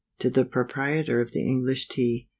To the Proprietor of the ENGLISH TEA.